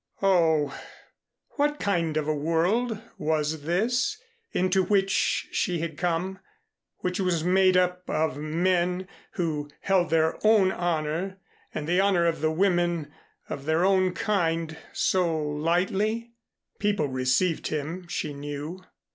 Oh, what kind of a world was this into which she had come, which was made up of men who held their own honor and the honor of the women of their own kind so lightly? People received him, she knew.